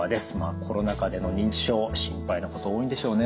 コロナ禍での認知症心配なこと多いんでしょうね。